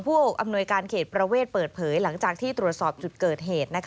อำนวยการเขตประเวทเปิดเผยหลังจากที่ตรวจสอบจุดเกิดเหตุ